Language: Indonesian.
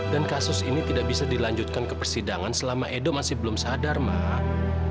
kasus ini tidak bisa dilanjutkan ke persidangan selama edo masih belum sadar mak